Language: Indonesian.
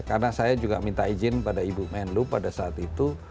karena saya juga minta izin pada ibu menlo pada saat itu